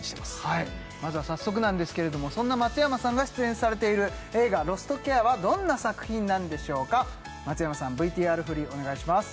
はいまずは早速なんですけれどもそんな松山さんが出演されている映画「ロストケア」はどんな作品なんでしょうか松山さんＶＴＲ振りお願いします